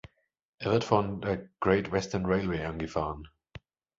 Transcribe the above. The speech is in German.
Er wird von der Great Western Railway angefahren.